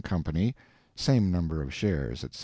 Company, same number of shares, etc.